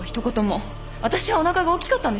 私はおなかが大きかったんですよ？